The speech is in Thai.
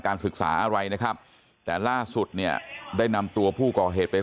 ศึกษาอะไรนะครับแต่ล่าสุดเนี่ยได้นำตัวผู้ก่อเหตุไป